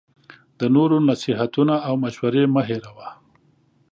د نورو نصیحتونه او مشوری مه هیروه